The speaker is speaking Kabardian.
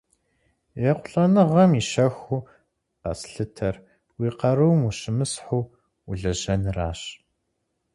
ЕхъулӀэныгъэм и щэхуу къэслъытэр уи къарум ущымысхьу улэжьэныращ.